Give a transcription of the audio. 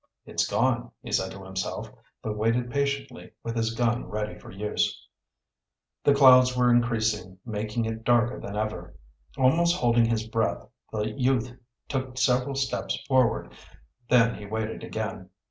"It's gone," he said to himself, but waited patiently, with his gun ready for use. The clouds were increasing, making it darker than ever. Almost holding his breath, the youth took several steps forward. Then he waited again.